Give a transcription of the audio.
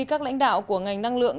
các lãnh đạo của ngành năng lượng